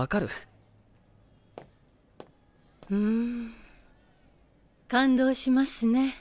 ん感動しますね